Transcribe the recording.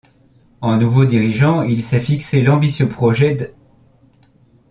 En nouveau dirigeant il s'est fixé l'ambitieux projet d'.